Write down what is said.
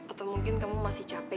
atau mungkin kamu masih capek